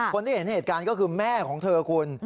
คนที่เห็นเหตุการณ์ก็คือแม่ของเธอคุณ